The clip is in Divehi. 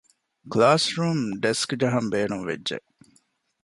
ކްލާސްރޫމް ޑެސްކް ޖަހަން ބޭނުން ވެއްޖެއެވެ.